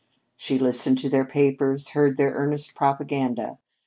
She listened to their papers, heard their earnest propaganda.